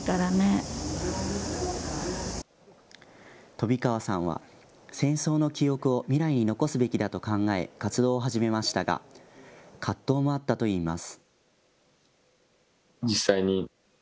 飛川さんは戦争の記憶を未来に残すべきだと考え活動を始めましたが葛藤もあったといいます。